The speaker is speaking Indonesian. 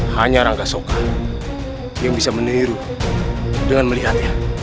hanya rangga soka yang bisa meniru dengan melihatnya